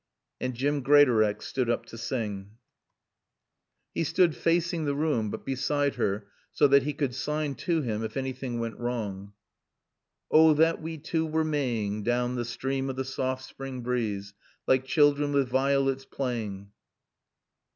And Jim Greatorex stood up to sing. He stood facing the room, but beside her, so that she could sign to him if anything went wrong. "'Oh, that we two oo were May ing Down the stream of the so oft spring breeze, Like children with vi olets pla aying.'"